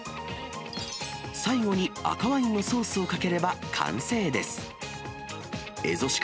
最後に赤ワインのソースをかければ完成です。